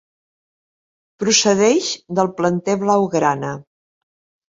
Procedeix del planter blaugrana.